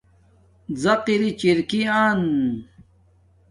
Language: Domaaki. زق اری چِرکی آنن